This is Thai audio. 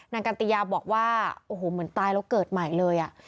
กันติยาบอกว่าโอ้โหเหมือนตายแล้วเกิดใหม่เลย